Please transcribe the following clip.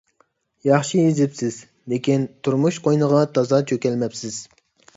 ياخشى يېزىپسىز، لېكىن تۇرمۇش قوينىغا تازا چۆكەلمەپسىز.